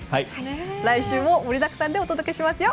来週も盛りだくさんでお届けしますよ。